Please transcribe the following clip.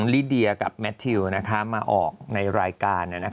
ลิเดียกับแมททิวมาออกในรายการ